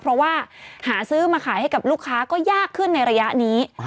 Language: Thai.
เพราะว่าหาซื้อมาขายให้กับลูกค้าก็ยากขึ้นในระยะนี้